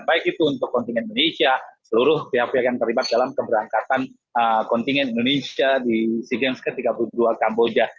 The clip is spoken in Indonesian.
baik itu untuk kontingen indonesia seluruh pihak pihak yang terlibat dalam keberangkatan kontingen indonesia di sea games ke tiga puluh dua kamboja